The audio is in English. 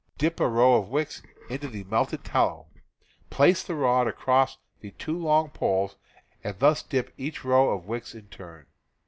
Dip a row of wicks into the melted tallow, place the rod across the two long poles, and thus dip each row of wicks in turn.